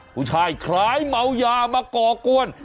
ผู้ชายคล้ายเหมายามาก่อกวน